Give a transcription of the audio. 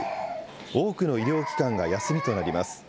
多くの医療機関が休みとなります。